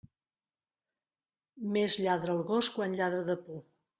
Més lladra el gos quan lladra de por.